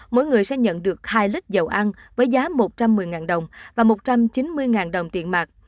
mỗi người sẽ nhận được hai lít dầu ăn với giá một trăm một mươi đồng và một trăm chín mươi đồng tiền mạc